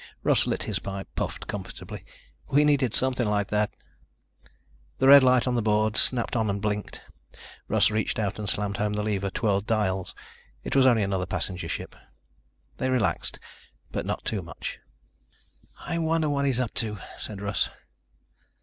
Russ lit his pipe, puffed comfortably. "We needed something like that." The red light on the board snapped on and blinked. Russ reached out and slammed home the lever, twirled dials. It was only another passenger ship. They relaxed, but not too much. "I wonder what he's up to," said Russ.